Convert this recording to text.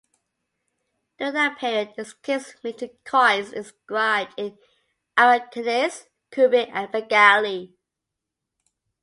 During that period, its kings minted coins inscribed in Arakanese, Kufic and Bengali.